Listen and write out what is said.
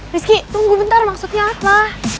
rizky tunggu bentar maksudnya apa